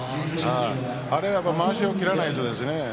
あれ、まわしを切らないとね